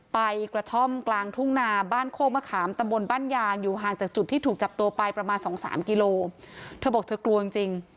ไปกระท่อมกลางทุ่งนาบ้านโคกมะขามตำบลบ้านยางอยู่ห่างจากจุดที่ถูกจับตัวไปประมาณสองสามกิโลเธอบอกเธอกลัวจริงจริง